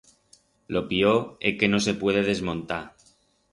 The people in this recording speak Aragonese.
Lo pior é que no se puede desmontar.